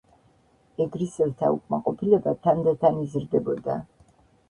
ეგრისელთა უკმაყოფილება თანდათან იზრდებოდა.